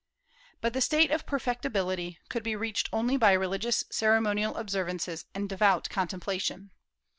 But the state of perfectibility could be reached only by religious ceremonial observances and devout contemplation.